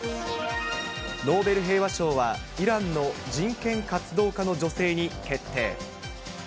ノーベル平和賞は、イランの人権活動家の女性に決定。